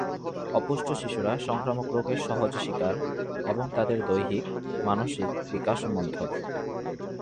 অপুষ্ট শিশুরা সংক্রামক রোগের সহজ শিকার এবং তাদের দৈহিক, মানসিক বিকাশও মন্থর।